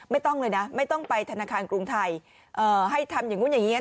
ไม่ต้องเลยนะไม่ต้องไปธนาคารกรุงไทยให้ทำอย่างนู้นอย่างนี้